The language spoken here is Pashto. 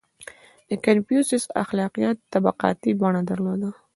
• د کنفوسیوس اخلاقیات طبقاتي بڼه درلوده.